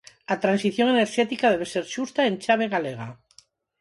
A transición enerxética debe ser xusta e en chave galega.